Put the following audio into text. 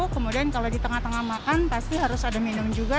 kemudian kalau di tengah tengah makan pasti harus ada minum juga